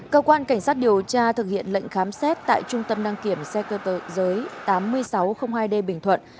cơ quan cảnh sát điều tra thực hiện lệnh khám xét tại trung tâm đăng kiểm xe cơ giới tám nghìn sáu trăm linh hai d bình thuận